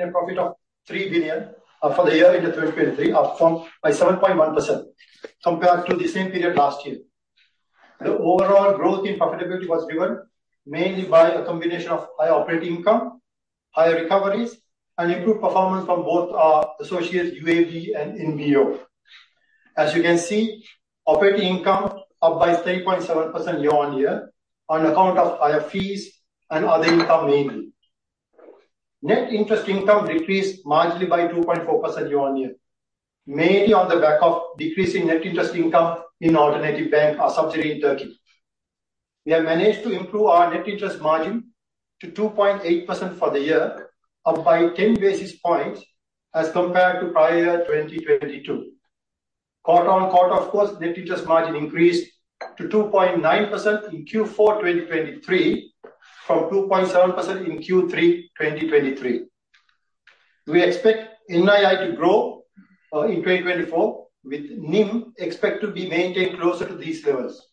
Net profit of 3 billion for the year in 2023, up by 7.1%, compared to the same period last year. The overall growth in profitability was driven mainly by a combination of higher operating income, higher recoveries, and improved performance from both our associates, UAB and NBO. As you can see, operating income up by 3.7% year-on-year on account of higher fees and other income, mainly. Net interest income decreased marginally by 2.4% year-on-year, mainly on the back of decreasing net interest income in Alternatif Bank, our subsidiary in Turkey. We have managed to improve our net interest margin to 2.8% for the year, up by 10 basis points as compared to prior year, 2022. Quarter-on-quarter, of course, net interest margin increased to 2.9% in Q4 2023, from 2.7% in Q3 2023. We expect NII to grow in 2024, with NIM expected to be maintained closer to these levels.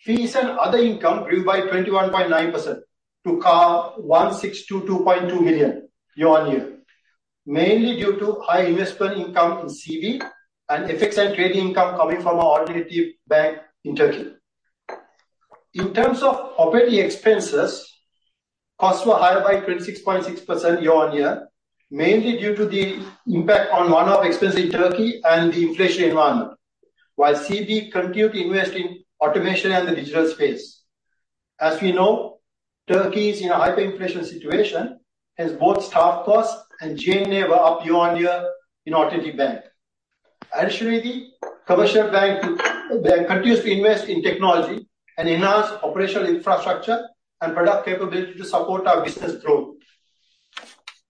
Fees and other income grew by 21.9% to 162.2 million year-on-year, mainly due to high investment income in CB and FX and trading income coming from our Alternatif Bank in Turkey. In terms of operating expenses, costs were higher by 26.6% year-on-year, mainly due to the impact on one-off expenses in Turkey and the inflation environment, while CB continued to invest in automation and the digital space. As we know, Turkey's in a hyperinflation situation, as both staff costs and general were up year-on-year in Alternatif Bank. Additionally, Commercial Bank continues to invest in technology and enhance operational infrastructure and product capability to support our business growth.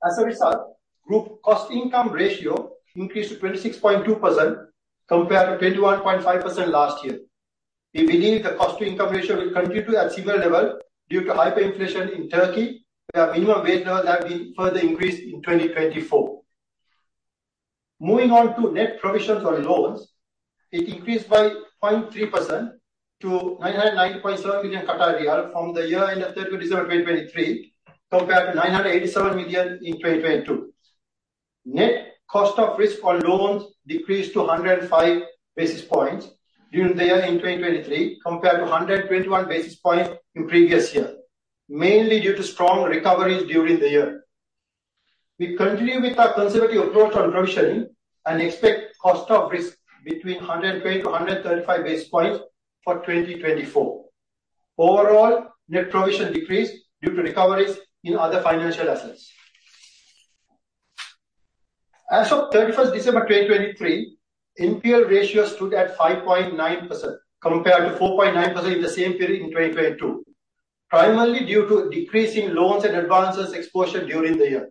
As a result, group cost-income ratio increased to 26.2% compared to 21.5% last year. We believe the cost-to-income ratio will continue at similar level due to hyperinflation in Turkey, where minimum wages have been further increased in 2024. Moving on to net provisions for loans, it increased by 0.3% to 990.7 million riyal from the year end of 30 December 2023, compared to 987 million in 2022. Net cost of risk for loans decreased to 105 basis points during the year in 2023, compared to 121 basis points in previous year, mainly due to strong recoveries during the year. We continue with our conservative approach on provisioning and expect cost of risk between 120-135 basis points for 2024. Overall, net provision decreased due to recoveries in other financial assets. As of 31 December 2023, NPL ratio stood at 5.9%, compared to 4.9% in the same period in 2022, primarily due to a decrease in loans and advances exposure during the year.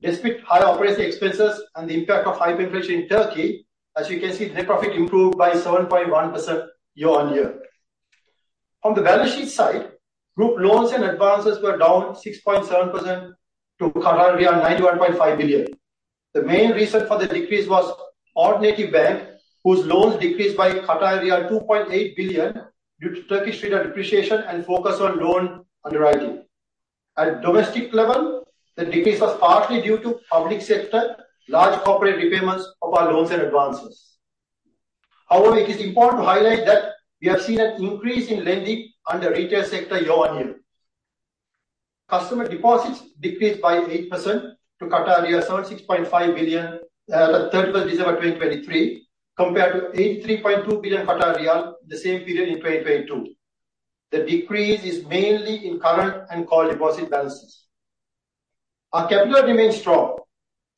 Despite higher operating expenses and the impact of hyperinflation in Turkey, as you can see, net profit improved by 7.1% year-on-year. On the balance sheet side, group loans and advances were down 6.7% to 91.5 billion. The main reason for the decrease was Alternatif Bank, whose loans decreased by 2.8 billion due to Turkish lira depreciation and focus on loan underwriting. At domestic level, the decrease was partly due to public sector, large corporate repayments of our loans and advances. However, it is important to highlight that we have seen an increase in lending on the retail sector year-on-year. Customer deposits decreased by 8% to 76.5 billion at 31st December 2023, compared to 83.2 billion, the same period in 2022. The decrease is mainly in current and call deposit balances. Our capital remains strong.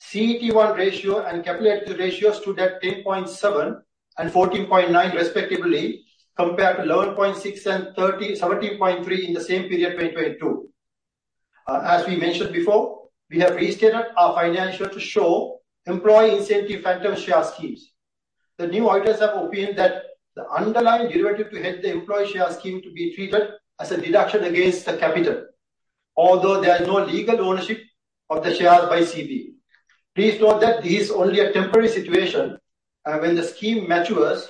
CET1 ratio and capital ratio stood at 10.7 and 14.9 respectively, compared to 11.6 and 17.3 in the same period, 2022. As we mentioned before, we have restated our financials to show employee incentive Phantom Share Schemes. The new items have opined that the underlying derivative to hedge the employee share scheme to be treated as a deduction against the capital, although there is no legal ownership of the shares by CB. Please note that this is only a temporary situation, and when the scheme matures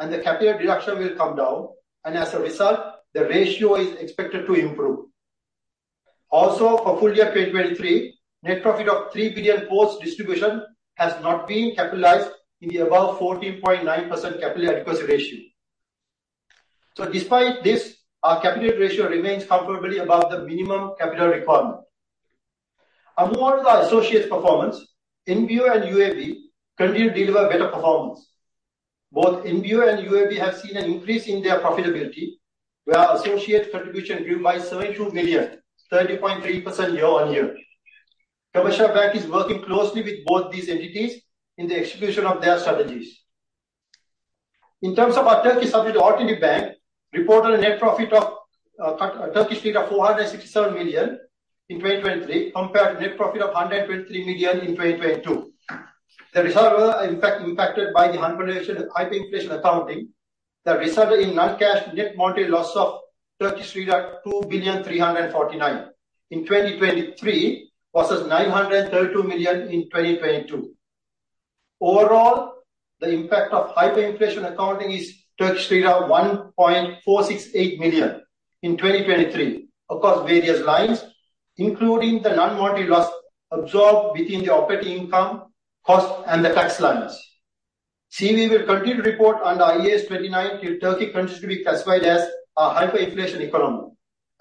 and the capital reduction will come down, and as a result, the ratio is expected to improve. Also, for full year 2023, net profit of 3 billion post distribution has not been capitalized in the above 14.9% capital adequacy ratio. So despite this, our capital ratio remains comfortably above the minimum capital requirement. More of our associates' performance, NBO and UAB continue to deliver better performance. Both NBIO and UAB have seen an increase in their profitability, where our associate contribution grew by 72 million, 30.3% year-on-year. Commercial Bank is working closely with both these entities in the execution of their strategies. In terms of our Turkish subsidiary, Alternatif Bank, reported a net profit of 467 million in 2023, compared to net profit of 123 million in 2022. The results were, in fact, impacted by the hyperinflation and hyperinflation accounting that resulted in non-cash net monetary loss of 2.349 million in 2023, versus 932 million in 2022. Overall, the impact of hyperinflation accounting is Turkish lira 1.468 million in 2023 across various lines, including the non-monetary loss absorbed within the operating income, cost, and the tax lines. CB will continue to report under IAS 29 till Turkey continues to be classified as a hyperinflation economy,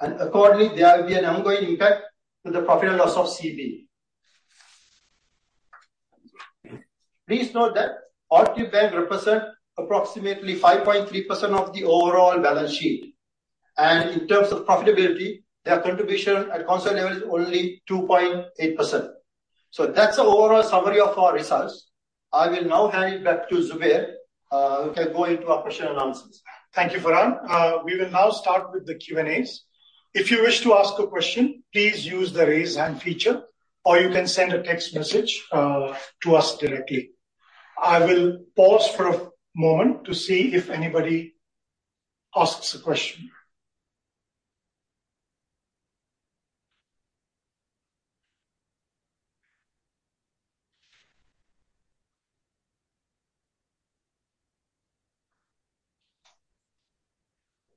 and accordingly, there will be an ongoing impact to the profit and loss of CB. Please note that Alternatif Bank represent approximately 5.3% of the overall balance sheet, and in terms of profitability, their contribution at concert level is only 2.8%. So that's the overall summary of our results. I will now hand it back to Zubair, who can go into our question and answers. Thank you, Rehan. We will now start with the Q&As. If you wish to ask a question, please use the raise hand feature, or you can send a text message to us directly. I will pause for a moment to see if anybody asks a question.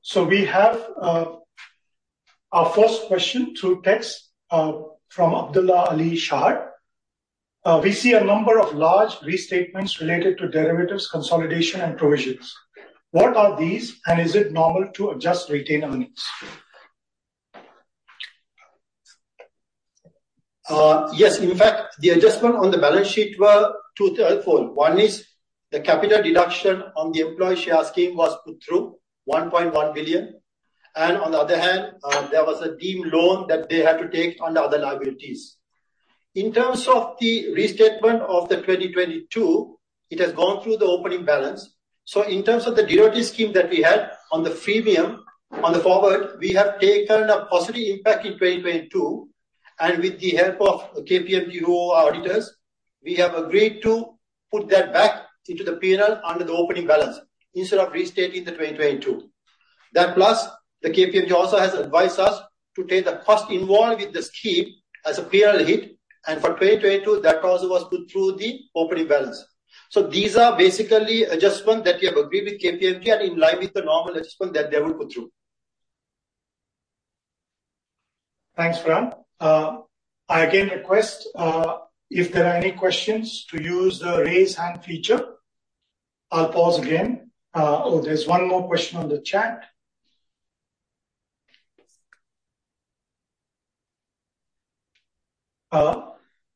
So we have our first question through text from Abdullah Ali Shah. We see a number of large restatements related to derivatives, consolidation, and provisions. What are these, and is it normal to adjust retained earnings? Yes. In fact, the adjustment on the balance sheet were two-third fold. One is the capital deduction on the employee share scheme was put through 1.1 billion, and on the other hand, there was a deemed loan that they had to take on the other liabilities. In terms of the restatement of the 2022, it has gone through the opening balance. So in terms of the derivative scheme that we had on the premium, on the forward, we have taken a positive impact in 2022, and with the help of KPMG, our auditors, we have agreed to put that back into the P&L under the opening balance instead of restating the 2022. That plus, the KPMG also has advised us to take the cost involved with the scheme as a P&L hit, and for 2022, that also was put through the opening balance. So these are basically adjustments that we have agreed with KPMG and in line with the normal adjustments that they would go through. Thanks, Farhan. I again request, if there are any questions, to use the raise hand feature. I'll pause again. Oh, there's one more question on the chat.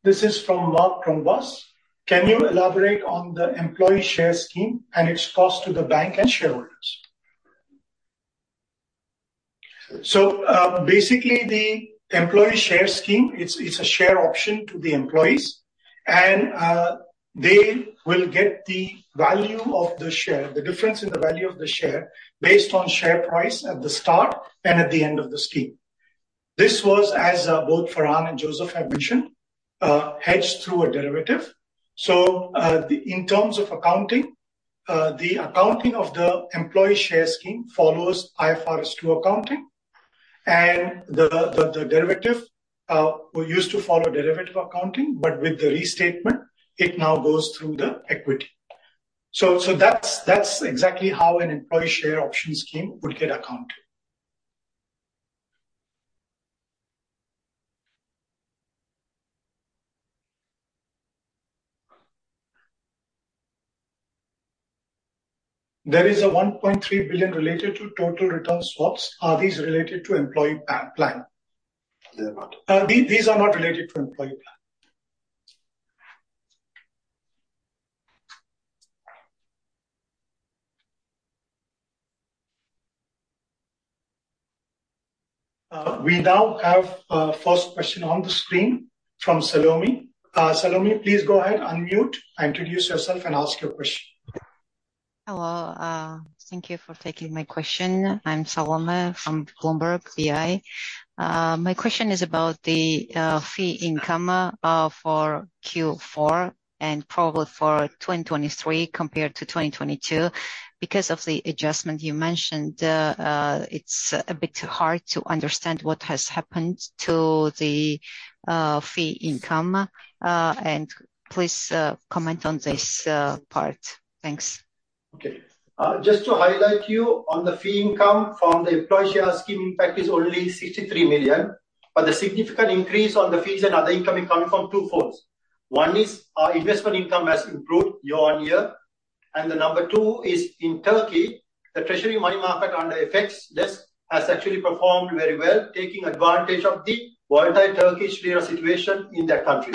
This is from Marc Krombas. Can you elaborate on the employee share scheme and its cost to the bank and shareholders? So, basically, the employee share scheme, it's a share option to the employees, and they will get the value of the share, the difference in the value of the share, based on share price at the start and at the end of the scheme. This was, as both Farhan and Joseph have mentioned, hedged through a derivative. So, in terms of accounting, the accounting of the employee share scheme follows IFRS 2 accounting, and the derivative, we used to follow derivative accounting, but with the restatement, it now goes through the equity. So, that's exactly how an employee share option scheme would get accounted. There is 1.3 billion related to total return swaps. Are these related to employee plan? They're not. These are not related to employee plan. We now have first question on the screen from Salome. Salome, please go ahead, unmute and introduce yourself, and ask your question. Hello, thank you for taking my question. I'm Salome from Bloomberg BI. My question is about the fee income for Q4 and probably for 2023 compared to 2022. Because of the adjustment you mentioned, it's a bit hard to understand what has happened to the fee income. And please comment on this part. Thanks. Okay. Just to highlight you on the fee income from the employee share scheme, in fact, is only 63 million, but the significant increase on the fees and other income come from two folds. One is our investment income has improved year-on-year, and the number two is in Turkey, the treasury money market under FX desk has actually performed very well, taking advantage of the volatile Turkish lira situation in that country.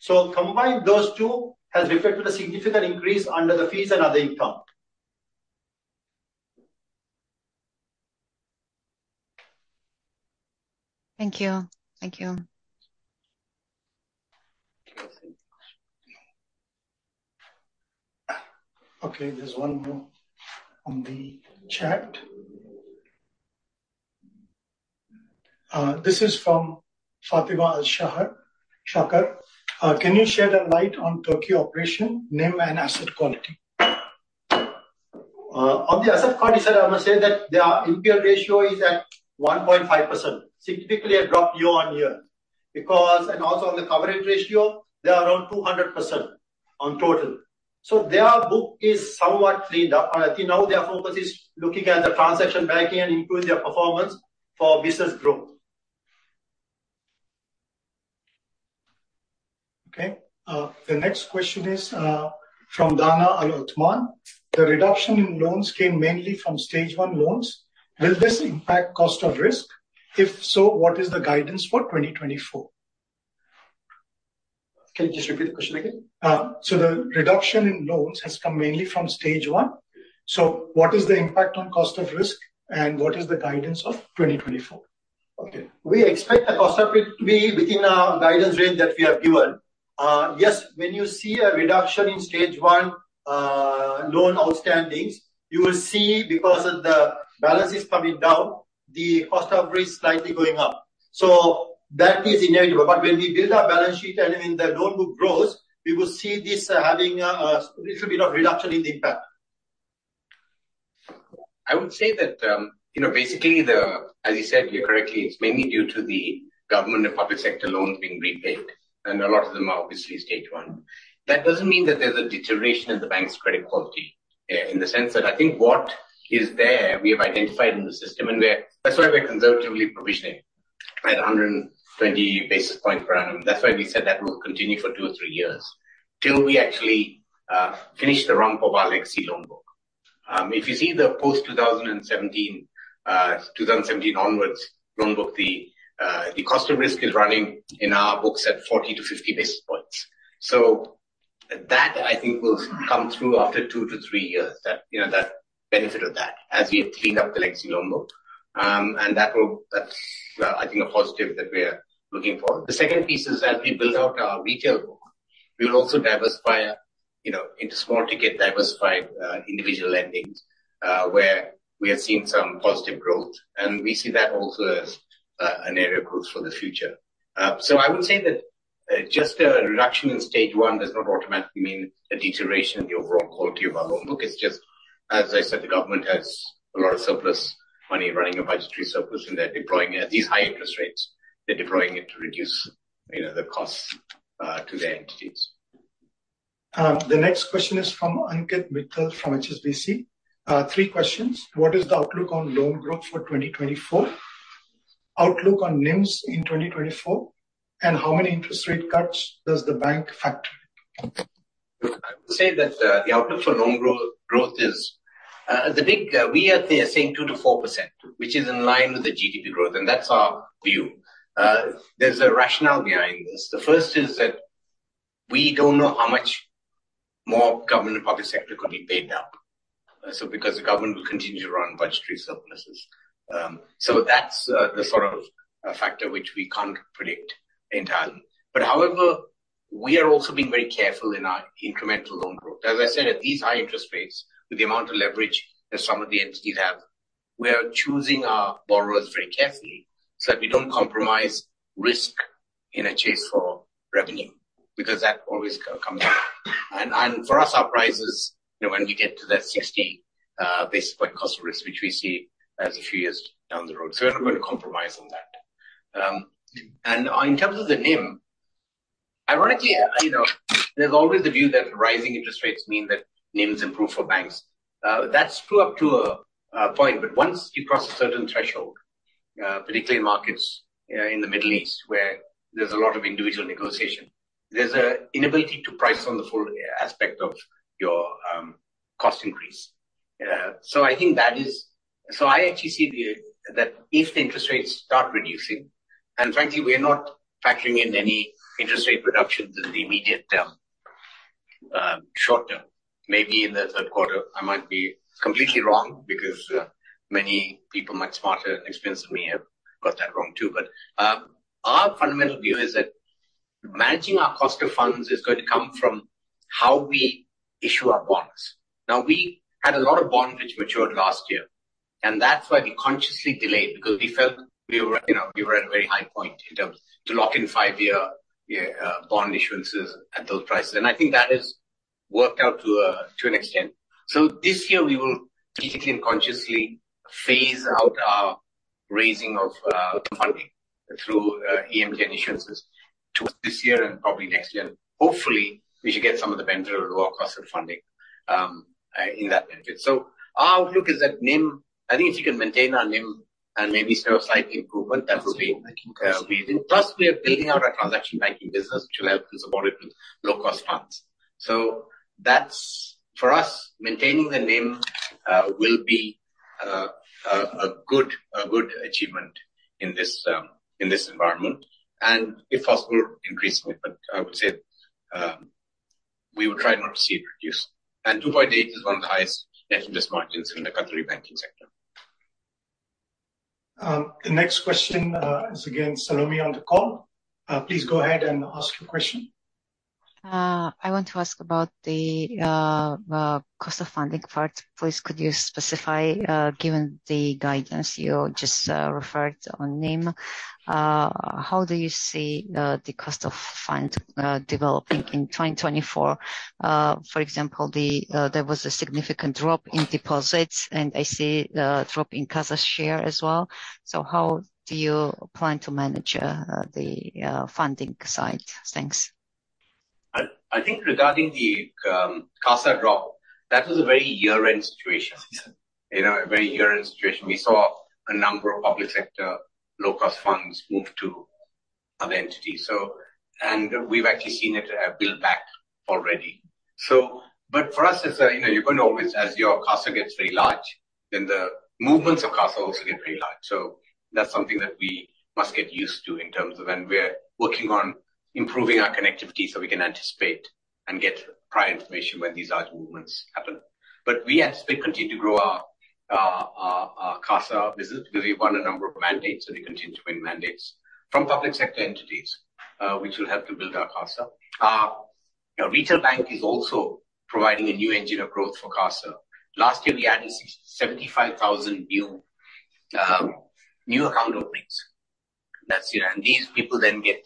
So combined, those two has reflected a significant increase under the fees and other income. Thank you. Thank you. Okay, there's one more on the chat. This is from Fatema Al-Shaker. Can you shed a light on Turkey operation, NIM, and asset quality?... On the asset quality, sir, I must say that their NPL ratio is at 1.5%, significantly a drop year-on-year, because and also on the coverage ratio, they are around 200% on total. So their book is somewhat cleaned up. I think now their focus is looking at the transaction banking and improve their performance for business growth. Okay, the next question is from Danah Al-Othman. The reduction in loans came mainly from Stage 1 loans. Will this impact Cost of Risk? If so, what is the guidance for 2024? Can you just repeat the question again? So the reduction in loans has come mainly from Stage 1. So what is the impact on cost of risk, and what is the guidance of 2024? Okay. We expect the Cost of Risk to be within our guidance range that we have given. Yes, when you see a reduction in Stage 1 loan outstandings, you will see because of the balance is coming down, the Cost of Risk slightly going up. So that is inevitable, but when we build our balance sheet and when the loan book grows, we will see this having it should be not reduction in the impact. I would say that, you know, basically, as you said here correctly, it's mainly due to the government and public sector loans being repaid, and a lot of them are obviously Stage 1. That doesn't mean that there's a deterioration in the bank's credit quality, in the sense that I think what is there, we have identified in the system, and we're-- that's why we're conservatively provisioning at 120 basis point per annum. That's why we said that will continue for 2 or 3 years till we actually finish the run of our legacy loan book. If you see the post-2017, 2017 onwards loan book, the, the cost of risk is running in our books at 40-50 basis points. So that I think will come through after 2-3 years, that, you know, that benefit of that, as we have cleaned up the legacy loan book. And that will, that's, I think, a positive that we are looking for. The second piece is as we build out our retail book, we will also diversify, you know, into small ticket, diversified, individual lendings, where we have seen some positive growth, and we see that also as an area of growth for the future. So I would say that just a reduction in Stage 1 does not automatically mean a deterioration in the overall quality of our loan book. It's just as I said, the government has a lot of surplus money, running a budgetary surplus, and they're deploying it at these high interest rates. They're deploying it to reduce, you know, the costs to the entities. The next question is from Ankit Mittal, from HSBC. Three questions: What is the outlook on loan growth for 2024? Outlook on NIMS in 2024, and how many interest rate cuts does the bank factor? I would say that the outlook for loan growth is, we are saying 2%-4%, which is in line with the GDP growth, and that's our view. There's a rationale behind this. The first is that we don't know how much more government and public sector could be paid now. So because the government will continue to run budgetary surpluses. So that's the sort of a factor which we can't predict entirely. But however, we are also being very careful in our incremental loan growth. As I said, at these high interest rates, with the amount of leverage that some of the entities have, we are choosing our borrowers very carefully, so that we don't compromise risk in a chase for revenue, because that always comes back. For us, our price is, you know, when we get to that 60 basis point cost risk, which we see as a few years down the road, so we're not going to compromise on that. In terms of the NIM, ironically, you know, there's always the view that rising interest rates mean that NIMs improve for banks. That's true up to a point, but once you cross a certain threshold, particularly in markets in the Middle East, where there's a lot of individual negotiation, there's an inability to price on the full aspect of your cost increase. So I think that is... So I actually see that if the interest rates start reducing, and frankly, we are not factoring in any interest rate reductions in the immediate term, short term, maybe in the third quarter, I might be completely wrong because many people much smarter and experienced than me have got that wrong, too. But our fundamental view is that managing our cost of funds is going to come from how we issue our bonds. Now, we had a lot of bond which matured last year, and that's why we consciously delayed, because we felt we were at, you know, we were at a very high point in terms to lock in five-year bond issuances at those prices. And I think that has worked out to an extent. So this year, we will strategically and consciously phase out our raising of funding through EMTN issuances towards this year and probably next year. And hopefully, we should get some of the benefit of lower cost of funding in that benefit. So our outlook is that NIM, I think if you can maintain our NIM and maybe show a slight improvement, that will be amazing. Plus, we are building out our transaction banking business, which will help and support it with low-cost funds. So that's, for us, maintaining the NIM will be a good achievement in this environment, and if possible, increase it, but I would say we will try not to see it reduce. And 2.8 is one of the highest net interest margins in the country banking sector. The next question is again, Salome, on the call. Please go ahead and ask your question. ... I want to ask about the cost of funding part. Please, could you specify, given the guidance you just referred on NIM, how do you see the cost of funds developing in 2024? For example, there was a significant drop in deposits, and I see a drop in CASA share as well. So how do you plan to manage the funding side? Thanks. I, I think regarding the, CASA drop, that was a very year-end situation. You know, a very year-end situation. We saw a number of public sector low-cost funds move to other entities. So, and we've actually seen it, build back already. So but for us, as you know, you're going to always, as your CASA gets very large, then the movements of CASA also get very large. So that's something that we must get used to in terms of when we're working on improving our connectivity, so we can anticipate and get prior information when these large movements happen. But we as we continue to grow our, CASA business, because we've won a number of mandates, and we continue to win mandates from public sector entities, which will help to build our CASA. Our retail bank is also providing a new engine of growth for CASA. Last year, we added 75,000 new account openings. That's it. And these people then get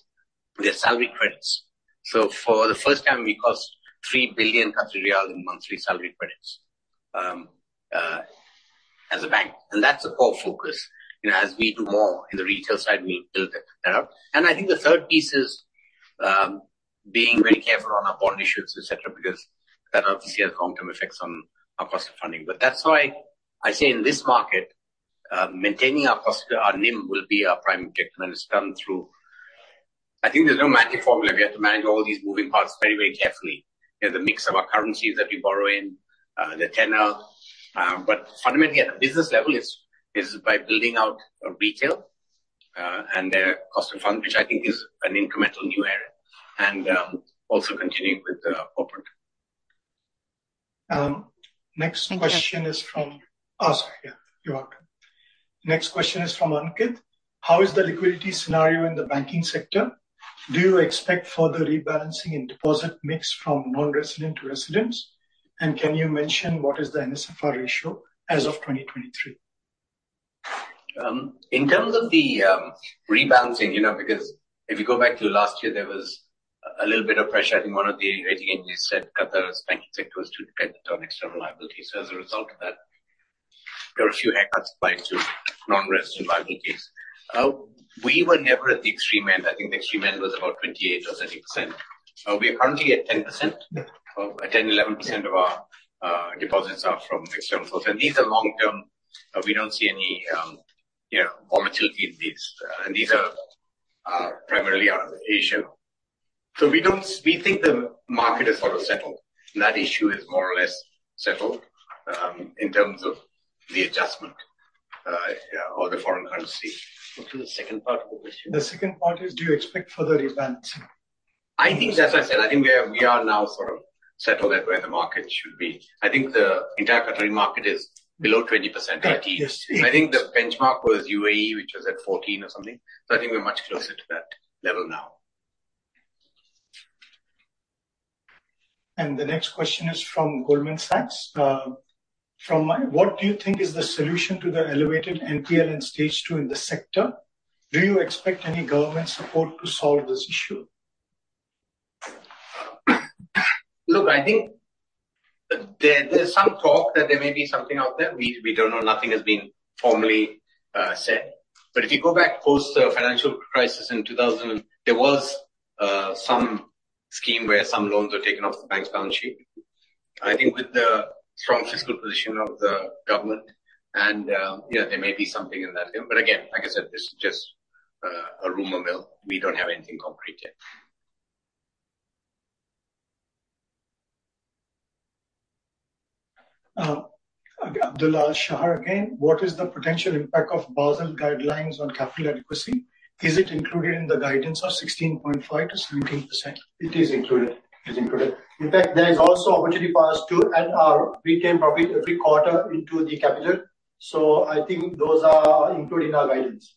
their salary credits. So for the first time, we cost 3 billion in monthly salary credits as a bank, and that's a core focus. You know, as we do more in the retail side, we build it up. And I think the third piece is being very careful on our bond issues, et cetera, because that obviously has long-term effects on our cost of funding. But that's why I say in this market, maintaining our cost, our NIM, will be our primary objective, and it's done through... I think there's no magic formula. We have to manage all these moving parts very, very carefully. There's a mix of our currencies that we borrow in, the tenure. But fundamentally, at a business level, it's by building out our retail and the cost of funds, which I think is an incremental new area, and also continuing with the corporate. Next question is from. Oh, sorry. Yeah, you're welcome. Next question is from Ankit: How is the liquidity scenario in the banking sector? Do you expect further rebalancing in deposit mix from non-resident to residents? And can you mention what is the NSFR ratio as of 2023? In terms of the rebalancing, you know, because if you go back to last year, there was a little bit of pressure. I think one of the rating agencies said Qatar's banking sector is too dependent on external liabilities. So as a result of that, there were a few haircuts applied to non-resident liabilities. We were never at the extreme end. I think the extreme end was about 28% or 30%. We are currently at 10%. 10%-11% of our deposits are from external sources, and these are long term. We don't see any, you know, volatility in these. And these are primarily are Asian. So we don't we think the market is sort of settled. That issue is more or less settled in terms of the adjustment or the foreign currency. What was the second part of the question? The second part is, do you expect further rebalancing? I think, as I said, I think we are, we are now sort of settled at where the market should be. I think the entire Qatari market is below 20%. Yes. I think the benchmark was UAE, which was at 14 or something, so I think we're much closer to that level now. The next question is from Goldman Sachs. What do you think is the solution to the elevated NPL and Stage 2 in the sector? Do you expect any government support to solve this issue? Look, I think there's some talk that there may be something out there. We don't know. Nothing has been formally said. But if you go back post the financial crisis in 2000, there was some scheme where some loans were taken off the bank's balance sheet. I think with the strong fiscal position of the government and yeah, there may be something in that. But again, like I said, this is just a rumor mill. We don't have anything concrete yet. Abdullah Ali Shah again. What is the potential impact of Basel Guidelines on capital adequacy? Is it include in the guidance of 16.5%-17%? It is included. It is included. In fact, there is also opportunity for us to add our retained profit every quarter into the capital. So I think those are included in our guidance.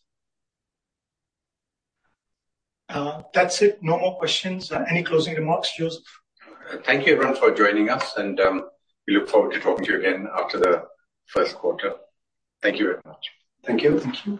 That's it. No more questions. Any closing remarks, Joseph? Thank you, everyone, for joining us, and we look forward to talking to you again after the first quarter. Thank you very much. Thank you. Thank you.